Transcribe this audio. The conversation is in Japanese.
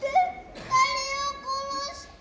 二人を殺して。